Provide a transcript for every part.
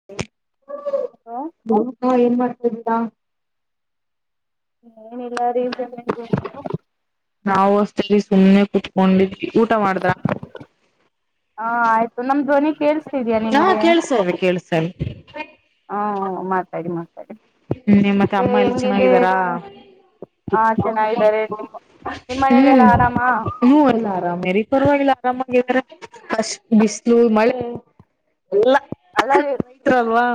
ಹ ಹಲೋ. ಹ ಏನ್ ಮಾಡ್ತಾ ಇದ್ದೀರ? ಏನ ಇಲ್ಲಾರಿ ಸುಮ್ಮ್ನೆ ಕುತ್ [unintelligible] ನಾವು ಅಷ್ಟೆ ಸುಮ್ಮ್ನೆ ಕುತ್ಕೊಂಡಿದ್ವಿ ಊಟ ಮಾಡ್ದಾ? ಹಾ ಆಯ್ತು ನಮ್ ಧ್ವನಿ ಕೇಳಳ್ಸ ಹಾ ಕೇಳಿಸ್ತಾ ಇದೆ ಕೇಳಿಸ್ತಾಯಿದೆ ಹ್ಮ ಮಾತಾಡಿ ಮಾತಾಡಿ ಹ್ಮ್ ನಿ ಮತ್ತೆ ಅಮ್ಮ ಎಲ್ಲ ಚೆನ್ನಾಗಿದ್ದಾರಾ ಹ್ಮ್ ಹೂ ಅಲ್ಲ ಆರಾಮೇ ರೀ ಪರವಾಗಿಲ್ಲ ಆರಾಮಾಗಾರೆ ಅಷ್ಟ ಬಿಸಿಲು ಮಳೆ ಇಲ್ಲ ಅಲ್ಲ [unintelligible] ಹತ್ರಲ್ವಾ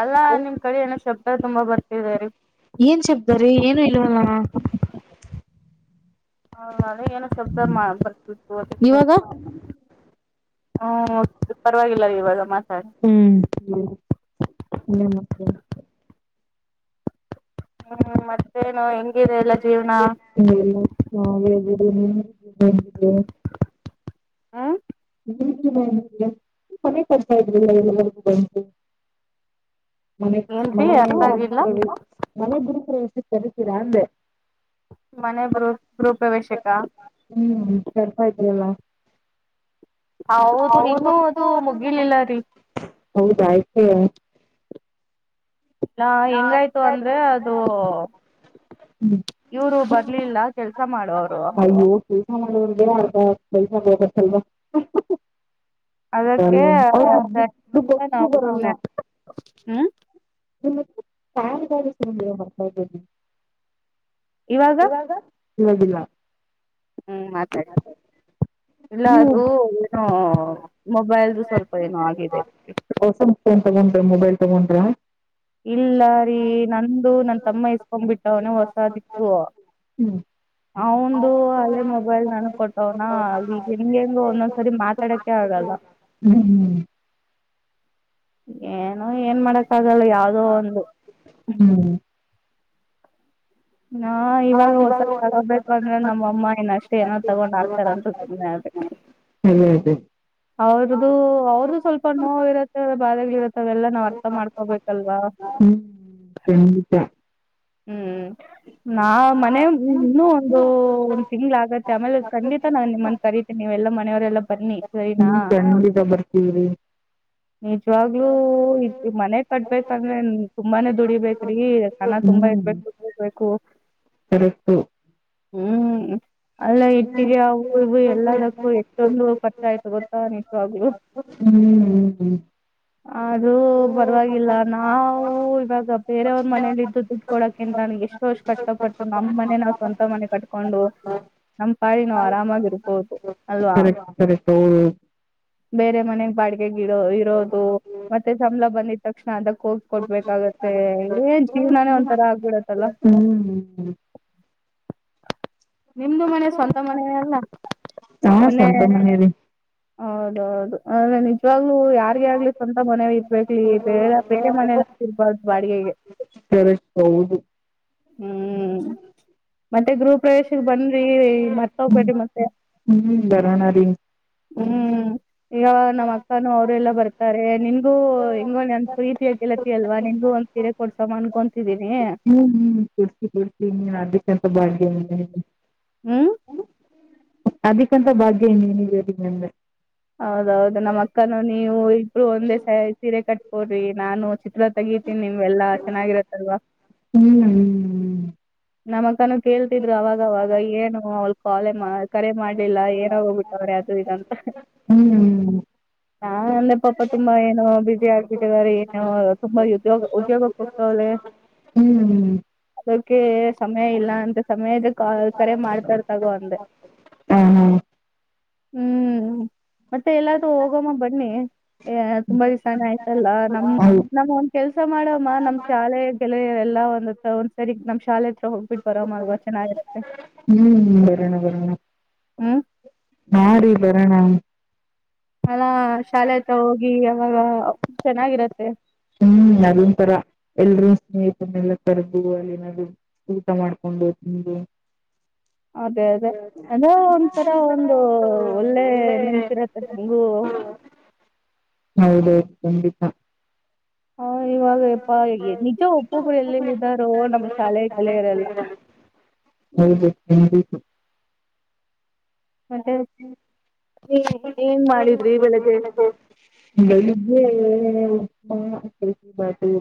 ಅಲ್ಲಾ ನಿಮ್ ಕಡೆ ಏನೋ ಶಬ್ದ ತುಂಬಾ ಬರ್ತಿದ ರೀ ಏನ್ ಶಬ್ದಾರಿ ಏನು ಇಲ್ವಲ್ ಹಾ ಅದೆ ಏನ ಶಬ್ದ ಬರ್ತಿತ್ತು ಅದಕ್ಕೆ ಹ್ಮ್ ಪರವಾಗಿಲ್ಲ ರೀ ಇವಾಗ ಮಾತಾಡಿ ಹ್ಮ್ ಹ್ಮ ಮತ್ತೆ ಹ್ಮ್ ಮತ್ತೇನು ಹೆಂಗಿದೆ ಎಲ್ಲ ಜೀವನ [unintelligible] ಹ ಮನೆ ಕಡ್ತಾ ಇದಿಲ್ಲ ಎರೆಗೂ ಬ [unintelligible] [unintelligible] ಮನೆ ಮನೆ ಮನ ಗುರು ಪ್ರವೇಶಕ್ಕೆ ಕರೀತೀರಾ ಅಂದ್ರೆ ಮನೆ ಬೂ ಗೂಪವೇಶಕ ಹ್ಮ್ ತರ್ಪ ಇದಲ್ಲ ಹೌದು ನೀನ್ನೂ ಅದು ಮುಗ್ಗಿಲಿಲ್ಲ ರೀ ಹೌದ ಆಯ್ತು ಅಲ್ಲಾ ಹೆಂಗಾಯ್ತು ಅಂದ್ರೆ ಅದು ಇವರು ಬರ್ಲಿಲ್ಲ ಕೆಲ್ಸ ಮಾಡುವರು [unintelligible] ಅದಕ್ಕೆ ನಾವು ಸುಮ್ಮನೆ ಹ್ಮ್ [unintelligible] ಯಗಾರಿ ಮಾಡ್ತಾ ಇದಿ ಇವಾಗ [unintelligible] ಹ್ಮ್ ಮಾತಾಡಿ ಇಲ್ಲ ಅದು ಏನೋ ಮೊಬೈಲ್ದು ಸ್ವಲ್ಪ ಏನೋ ಆಗಿದೆ ಹೊಸಸ್ಥನ್ ತಗೊಂಡ್ರ ಮೊಬೈಲ್ ತಗೊಂಡ್ರ ಇಲ್ಲ ರೀ ನಂದು ನನ್ ತಮ್ಮ ಇಸ್ಕೊಂಡ್ ಬಿಟ್ಟವನ ಹೊಸಾದಿತ್ತು ಅವಂದು ಹಲ್ಲೆ ಮೊಬೈಲ್ ನನ್ ಕೊಟ್ಟವ್ನ ಅಲ್ಲಿ ಹೆಂಗ ಹೆಂಗ ಒಂದೊಂದ್ಸರಿ ಮಾತಾಡಕೆ ಆಗಲ್ಲ ಹ್ಮ್ ಹ್ಮ್ ಏನೋ ಏನ್ ಮಾಡಕ್ಕ ಆಗಲ್ಲ ಯಾವ್ದೋ ಒಂದು ಹ್ಮ್ ನಾ ಇವಾಗ ಹೊಸ ತಗೋಬೇಕು ಅಂದ್ರೆ ನಮ್ಮ ಅಮ್ಮ ಇನ ಅಷ್ಟೇ ಏನೋ ತಗೊಂಡ್ ಹ ಆಕ್ತಾರಂತೂ ಸುಮ್ನೆ ಅದೇ [unintelligible] ಅವ್ರದುು ಅವ್ರ್ದು ಸ್ವಲ್ಪ ನೋವು ಇರತ್ತೆ ಬಾಧೆಗಳ ಇರುತ್ತೆ ಅವೆಲ್ಲ ನಾವ್ ಅರ್ಥ ಮಾಡ್ಕೋಬೇಕಲ್ವಾ ಹ್ಮ್ ಚಂಡಿತ ಹ್ಮ್ ನಾ ಮನೆ ಇನ್ನು ಒಂದು ಒಂದ್ ತಿಂಗ್ಳ ಆಗತ್ತೆ ಆಮೇಲೆ ಖಂಡಿತ ನಾನನ್ ನಿಮ್ಮನ್ ಕರಿತನಿ ನೀ ಎಲ್ಲ ಮನೆಯವರೆಲ್ಲ ಬನ್ನಿ ಹ್ಮ ಕಣ್ಣುಡಿದ ಬರ್ತವಿರಿ ನಿಜವಾಗ್ಲೂ ಮನೆ ಕಟ್ಬೇಕಂದ್ರೆ ತುಂಬಾನೇ ದುಡಿಬೇಕ್ರಿ ಕಣತ್ ತುಂಬಾ [unintelligible] ಬೇಕು ಹ್ಮ್ ಅಲ್ಲ ಇಟ್ಟಿಗೆ ಅವು ಇವು ಎಲ್ಲದಕ್ಕೂ ಎಷ್ಟೊಂದು ಖರ್ಚ ಆಯ್ತು ಗೊತ್ತಾ ನಿಜ್ವಾಗ್ಲು. ಹ್ಮ್ ಅದು ಪರವಾಗಿಲ್ಲ ನಾವು ಇವಾಗ ಬೇರೆಯವರ ಮನೇೆಯಲ್ಲಿದ್ದು ಕೊಡಕಿಂತನೂ ಎಷ್ಟು ಇಷ್ಟು ಕಷ್ಟಪಟ್ಟು ನಮ್ಮನೆ ನಾವ್ ಸ್ವಂತ ಮನೆ ಕಟ್ಕೊಂಡು ನಮ್ ಪಾಡಿಗ್ ನಾವು ಆರಾಮಾಗಿರ್ಬಹುದು. ಸರಿ [unintelligible] ಬೇರೆ ಮನೆಗ್ ಬಾಡಿಗೆ ಗಿಡೋ ಇರೋದು. ಮತ್ತೆ ಸಂಬಳ ಬಂದಿದ್ ತಕ್ಷಣ ಅದಕ್ಕೋಗ್ ಕೊಡ್ಬೇಕಾಗತ್ತೆ ಏನ್ ಜೀವನಾನೇ ಒ ತರ ಆಗ್ಬಿಡುತ್ತಲ್ವ. ನಿಮ್ದು ಮನೆ ಸ್ವಂತ ಮನೆ ಅಲ್ಲ ಮೊನ್ನೆ ಹೌದೌದು. ಅ ನಿಜವಾಗ್ಲುೂ ಯಾರ್ಗೆ ಆಗ್ಲಿ ಸ್ವಂತ ಮನೆ ಇರ್ಬೇಕೇಲಿ ಬೇರೆ ಬೇರೆ ಮನೆನಂತಿರ್ಬಾರ್ದು ಬಾಡಿಗೆಗೆ. ಸರಿ ಹೌದು. ಹ್ಮ್ ಮತ್ತೆ ಗೃಹ ಪ್ರದೇಶಕ್ಕೆ ಬನ್ರೀ ಮರ್ತೊಗ್ಬೇಡ್ರಿ ಮತ್ತೆ. ಹೂ ಬರಣ ರೀ. ಹ್ಮ್ ಯೋ ನಮ್ಮ್ ಅಕ್ಕಾನೂ ಅವರೆಲ್ಲ ಬರ್ತಾರೆ ನಿನ್ಗೂ ಹೆಂಗೋ ನನ್ ಪ್ರೀತಿಯ ಗೆಳತಿ ಅಲ್ವಾ ನಿನ್ಗೂ ಒಂದ್ ಸೀರೆ ಕೊಡ್ಸೋಮ ಅನ್ಕೊಂತಿದೀನಿ. ಹ್ಮ ಹ್ಮ್ ಕೊಡ್ಸಿ ಕೋಡ್ಸಿ ನೀನ್ ಅದಕ್ಕೆಂತ [unintelligible] ಹ್ಮ್ ಅದಕ್ಕಂತ ಭಾಗ್ಯ ಇನ್ನೇನಿದೆ ನನ್ಗೆ. ಹೌದೌದು ನಮ್ಮಕ್ಕನು ನೀವು ಇಬ್ರು ಒಂದೇ ಸ ಸೀರೆ ಕಟ್ಕೊಡ್ರಿ ನಾನು. ಚಿತ್ರ ತೆಗೀತೀನಿ ನಿಮ್ ಎಲ್ಲ ಚೆನ್ನಾಗಿರತ್ತಲ್ವಾ. ಹ್ಮ್ ಹ್ಮ್ ಹ್ಮ್ ನಮ್ಮ ಅಕ್ಕನು ಕೇಳ್ತಿದ್ರು ಅವಾಗವಾಗ ಏನು ಅವ ಕಾಲೇ ಮಾ ಕರೆ ಮಾಡ್ಲಿಲ್ಲ ಏನೊ ಆನ್ಕಬೇಡ್ ಅದು ಇದು ಅಂತ. ಹ್ಮ ನಾ ಅಂದೆ ಪಾಪ ತುಂಬಾ ಏನೊ ಬಿಸಿ ಆಗ್ಬಿಟ್ಟಿದ ರೀ ಏನು ತುಂಬಾ ಉದ್ಯೋಗ ಉದ್ಯೋಗ. [unintelligible] ಹ್ಮ್ ಓಕ್ಕೆ ಸಮಯ ಇಲ್ಲ ಅಂತ ಸಮಯದ ಕರೆ ಮಾಡ್ತಾರ ತಗೋ ಅಂದೆ. ಹ್ಞೂ ಹ್ಮ್ ಮತ್ತೆ ಎಲ್ಲಾದ್ರೂ ಹೋಗಮ ಬನ್ನಿ ತುಂಬಾ ದಿವಸನೆ ಆಯ್ತಲ್ಲ ನಮ ನಮ್ಮೊ ಕೆಲ್ಸ ಮಾಡಮ್ಮ ನಮ್ ಶಾಲೆ ಗೆಳೆಯರೆಲ್ಲಾ ಎಲ್ಲಾ ಒಂದತ್ರ ಒಂದ್ಸರಿ ನಮ್ ಶಾಲೆ ಹತ್ರ ಹೋಗ್ಬಿಟ್ಟು [unintelligible] ಹ್ಮ್ ಬರಣ ಬರಣ. ಹಾ ರೀ ಬರೋಣ. ಅಲ ಶಾಲೆ ಹತ್ರ ಹೋಗಿ ಯವಾಗ ಚೆನ್ನಾಗಿರತ್ತೆ. ಹ್ಮ್ ಅದೊಂತರ ಎಲ್ರೂ ಸ್ನೇಹಿತ್ರನ್ನೆಲ್ಲ ಕರದು ಅಲ್ಲಿ ಏನಾದ ಊಟ ಮಾಡ್ಕೊಂಡು ತಿಂದು. ಅದೇ ಅದೇ ಅದೂ ಒಂಥರ ಒಂದು ಒಳ್ಳೆ ನೆನಪಿರತ್ತೆ ನಮಗೂ. ಹೌದೌದು ಖಂಡಿತ. ಹಾ ಇವಾಗ ಯಪ್ಪ ನಿಜ ಒಬ್ಬೊಬ್ರು ಎಲ್ಲೆಲ್ಲಿದ್ದಾರೋ ನಮ್ಮ ಶಾಲೆಯ ಗೆಳೆಯರೆಲ್ಲ. ಹೌದು [unintelligible] ಮತ್ತೆ ಏನ್ ಮಾಡಿದ್ರಿ ಬೆಳಗ್ಗೆ ಎದ್ದ. ಬೆಳಿಗ್ಗೆ ಉಪ್ಪಮ ಕೆಸರಿಬಾತು.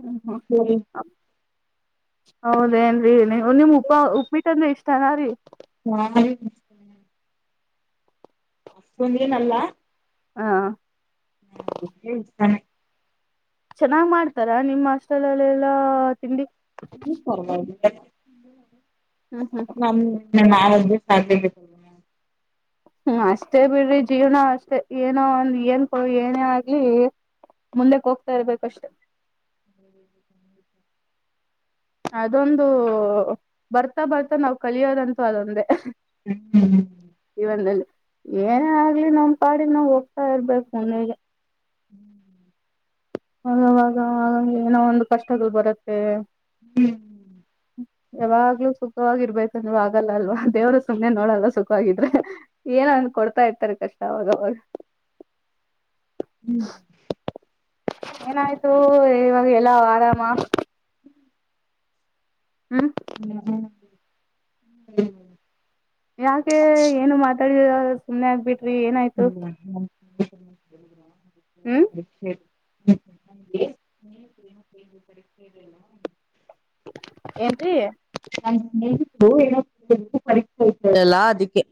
ಹ್ಮ್ ಹ್ಮ ಅಪ್ಪ. ಹೌದೇನ್ರರಿ ನೀವು ನಿಮ್ ಉಪ್ಪ ಉಪ್ಪಮಿಟ್ಟ ಅಂದ್ರೆ ಇಷ್ಟನ ಏನ್ ರೀ ಹಾ ಹ್ಮ್. ಅಷ್ಟೊಂದ ಏನಲ್ಲಾ. ಹಾ ಹ್ಮತ [inaudible] ಚೆನ್ನಾಗ್ ಮಾಡ್ತಾರ ನಿಮ್ಮ ಹಾಸ್ಟೆಲ್ಲ್ಲೆಲ್ಲಾ ತಿಂಡಿ. ಹ್ಮ್ ಪರ್ವಾಗಿಲಾ. ಹ್ಮ್ ಹ್ಮ್ ನೀವು ನಾಳೆ ಹೋಗಿ ಪಾಲ್ಟಿಗೆ. ಹ್ಮ ಅಷ್ಟೇ ಬಿಡ್ರಿ ಜೀವನ ಅಷ್ಟೇ ಏನೋ ಒಂದ ಏನ್ ಏನೇ ಆಗ್ಲಿ. ಮುಂದಕ್ಕೆ ಹೋಗ್ತಾ ಇರ್ಬೇಕು ಅಷ್ಟೇ ಹ [inaudible] ಅದೊಂದು ಬರ್ತಾ ಬರ್ತಾ ನಾವವು ಕಲಿಯೋದಂತೂ ಅದೊಂದೇ. ಇ ಒಂದಲ್ಲಿ. ಏನೇ ಆಗ್ಲಿ ನಮ ಪಾಡ ನಾವ್ ಹೋಗ್ತಾ ಇರ್ಬೇಕು ಮುಂದಗೆ. ಆವಾಗ ಹಾಗಗೆ ಏನೋ ಒಂದು ಕಷ್ಟದು ಬರುತ್ತೆ. ಹ್ಮ್ ಯಾವಾಗ್ಲೂ ಸುಖವಾಗಿರ್ಬೇಕೇತಲ್ವಾ ಆಗಲ್ಲ ಅಲ್ವಾ ದೇವರು ಸುಮ್ಮನೆ ನೋಡಲ್ಲ ಸುಖವಿದ್ರೆ. ಏನಂದ್ ಕೊಡ್ತಾ ಇರ್ತಾರೆ ಕಷ್ಟ ಅವಾಗವಾಗ. ಏನಾಯ್ತು ಇವಾಗ ಎಲ್ಲ ಆರಾಮ. ಹ್ಮ್ ಹ್ಮ್ಮ ಹ್ಮ್ ಯಾಕೆ ಏನು ಮಾತಾಡಿದ ಸುಮ್ಮ್ನೆ ಆಗ್ಬಿಟ್ರಿ ಏನಾಯ್ತು. ಹ್ಮ ಅಕ್ಷೆ [inaudible] ಬಿಕಲ್ಲ. ಎಏಂಟ್ರಿ. ನ ನೀ ಹ ಏನು [inaudible] [inaudible] ತಲ್ಲಾ ಅದಕ್ಕೆ.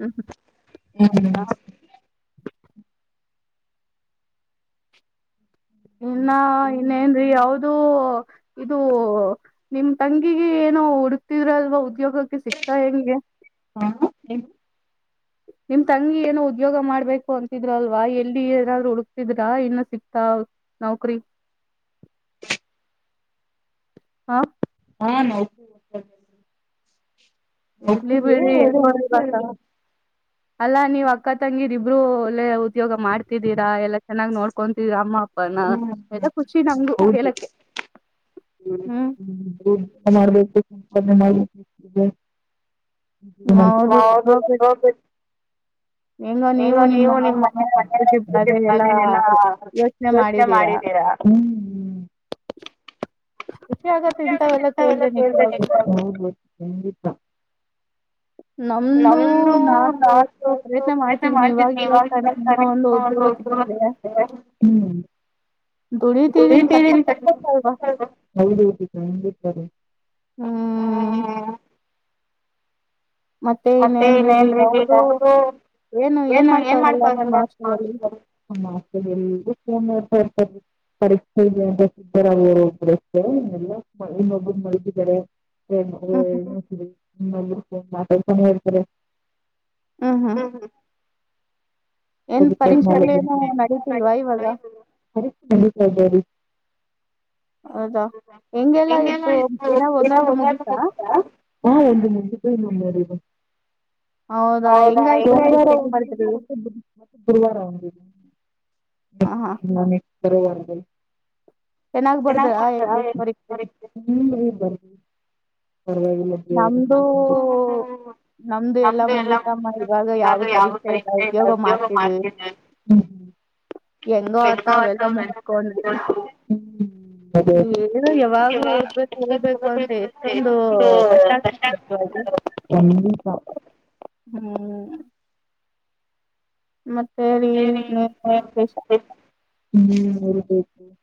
ಹ್ಮ್ ಹ್ಮ್ ಹೌದ. ಇನ್ನ ಇನ್ನೇ ರೀ ಯಾವ್ದ. [unintelligible] ಇದು ನಿಮ್ ತಂಗಿಗೆ ಏನೋ ಹುಡುಕ್ತಿದ್ರ ಅಲ್ವಾ ಉದ್ಯೋಗಕ್ಕೆ ಸಿಕ್ತಾ ಹೆಂಗೆ. ನಿಮ್ ತಂಗಿ ಏನೋ ಉದ್ಯೋಗ ಮಾಡ್ಬೇಕು ಅಂತಿದ್ರ ಅಲ್ವಾ ಎಲ್ಲಿ ಏನಾದ್ರು ಹುಡುಕ್ತಿದ್ರ ಇನ್ನು ಸಿಕ್ತಾ. ನೌಕರಿ. ಹಾ ಹಾ ನೌ ಎಲ್ಲಿ ಬಿಡಿರೀ ಎಷ್ಟ ಅಲ್ಲಾ ನೀವ್ ಅಕ್ಕ ತಂಗಿರಿಬ್ರು ಒಲ್ಲ ಉದ್ಯೋಗ ಮಾಡ್ತಿದ್ದೀರಾ ಎಲ್ಲ ಚೆನ್ನಾಗ್ ನೋಡ್ಕೊತಿದ ಅಮ್ಮ ಅಪ್ಪ ನ ಎಲ್ಲ ಖುಷಿ ನಮಗು ಕೇಳಲಕ್ಕೆ ಹ್ಮ್ [inaudible] [unintelligible] [unintelligible] ಹೆಂಗೋ ನೀವು ನಿಮ್ಮ ಮನ ಜೊತೆಲ್ಲ ಯೋಚನೆ ಮಾಡಿದ್ದೀರಾ ಹ್ಮ್ ಷ ಆಗುತ್ತೆ [unintelligible] ನಮ್ದು ನಾನು ಎಷ್ಟು ಪ್ರಯತ್ನ ಮಾಡ್ತಿದೀನಿ ಇವಾಗ ಹತಾನೆ ನಿನ್ನ ಒಂದು ಉದ್ಯೋಗ ಸಿಗ್ ಇ [unintelligible] ಹ ಮತ್ತೇ ಇನೇನ್ರಿ ಏನು ಏನ್ ಮಾಡ್ಕಲ್ಲರ್ತ [unintelligible] ಪರೀಕ್ಷೆ ಇದೆ ಅಂತರ ಅವರು ಒಬ್ಬರು ಇಲ್ಲ ಮಳ ಒಬ ಮಳಗಿದ್ದಾರೆ [unintelligible] ಹ್ಮ್ ಹ್ಮ್ [inaudible] ಏನ್ ಪರೀಕ್ಷೆಗಳೇನು ನಡೀತಿಲ್ವಾ ಇವಾಗ [unintelligible] ಹೆಂಗಲ್ಲ ಎಲ್ಲ ಒಂದಾ [unintelligible] ಹಾ [unintelligible] ಹೌದಾ [unintelligible] ಮತ್ತೆ ಗುರುವಾರ [unintelligible] [unintelligible] [unintelligible] ನಮ್ದು ಎಲ್ಲ ಯಾವ ತರೀಲ್ಲ ಉದ್ಯೋಗ ಮಾಡ್ತೇನೆ [unintelligible] [unintelligible] [unintelligible] ಹ್ಮ್ ಮತ್ತೆ ರೀ ವಿಶೇಷ ಹ್ಮ್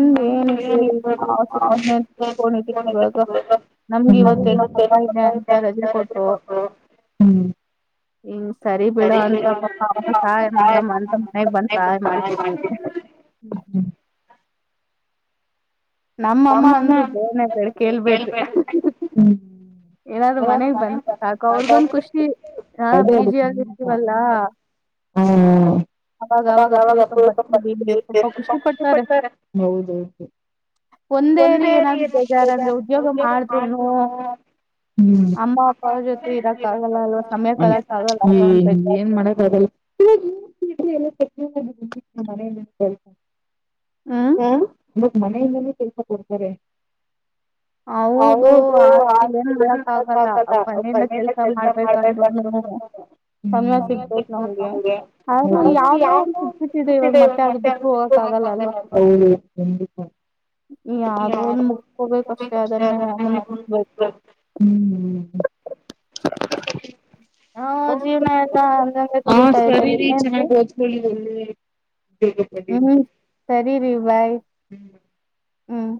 [unintelligible] ನಮಗೆ ಇವತ್ತ ಏನೋ [unintelligible] [unintelligible] ಹ್ಮ್ ಹ್ಮ್ [unintelligible] ಏನಾದ್ರು ಮನೆಗ್ ಬಂದ ಸಾಕು ಅವ್ರಿಗೊಂದ್ ಖುಷಿ ಹ ಪಿ ಜಿ ಆಗರ್ತೀವಲ್ಲ ಹ್ಮ್ [unintelligible] ಒಂದೇ ಇರ್ಲಿ ಉದ್ಯೋಗ ಮಾಡಬನು ಹ್ಮ್ ಈ ಏನ್ ಮಾಡಕ್ದಲ್ ಹ ಹಾ [unintelligible] ಹ್ಮ್ ಹ ಅವಗ್ ಮನೆಯಿಂದನೇ ಕೆಲ್ಸ ಕೊಡ್ತಾರೆ ಹೌದು ಆ ಏನ್ ಮಾಡಕ್ಕ ಆಗಲ್ಲ ಕಣ್ಣಿನ ಕೆಲ್ಸ ಮಾಡ್ಬೇಕಂತ ರಿ ನಮಗೆ ಯಾವೋ ಒ ಮೆ [unintelligible] ಹೌದು ಕ [unintelligible] ಯಾವ್ದ ಒಂದು ಮುಗ್ಕೋಬೇಕಷ್ಟ ಹ್ಮ ಹಾ ಜೀವನ ಎಲ್ಲ ಹಂಗಂಗೆ ಕಡತಾ ಇದ್ದೇವೆ ಬಗ [unintelligible] ಹ್ಮ್ ಸರಿ ರೀ ಬಾಯ್ ಹ್ಮ್ ಹ್ಮ್